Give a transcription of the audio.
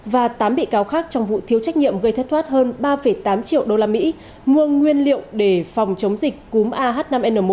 và tám bị cáo khác trong vụ thiếu trách nhiệm gây thất thoát hơn ba tám triệu usd mua nguyên liệu để phòng chống dịch cúm ah năm n một